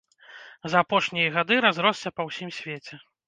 За апошнія гады разросся па ўсім свеце.